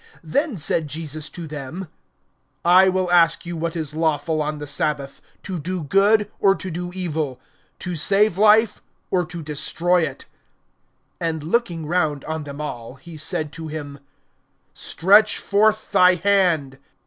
(9)Then said Jesus to them: I will ask you what is lawful[6:9] on the sabbath, to do good, or to do evil; to save life, or to destroy it? (10)And looking round on them all, he said to him: Stretch forth thy hand.